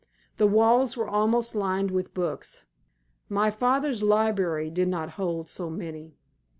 The walls were almost lined with books my father's library did not hold so many.